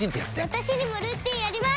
私にもルーティンあります！